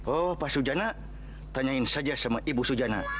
oh pak sujana tanyain saja sama ibu sujana